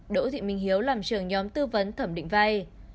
đỗ thị minh hiếu làm trường nhóm tư vấn thẩm định vay